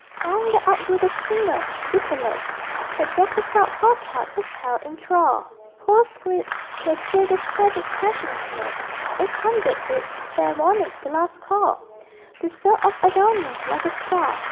Song that outgrew the singer! Bitter Love That broke the proud hot heart it held in thrall; Poor script, where still those tragic passions move Eight hundred bid: fair warning: the last call: The soul of Adonais, like a star....